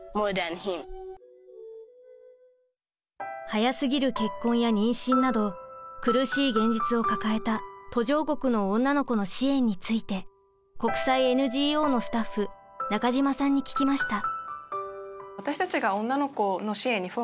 早すぎる結婚や妊娠など苦しい現実を抱えた途上国の女の子の支援について国際ＮＧＯのスタッフ中島さんに聞きました。